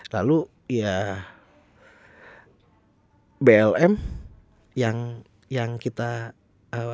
lalu ya blm yang kita apa